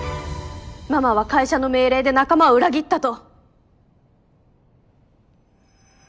ママは会社の命令で仲間を裏切ったと。